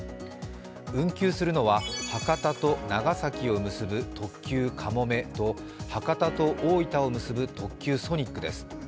運休するのは博多と長崎を結ぶ特急かもめと博多と大分を結ぶ特急ソニックです。